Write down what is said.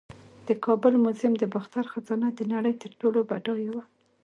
د کابل میوزیم د باختر خزانه د نړۍ تر ټولو بډایه وه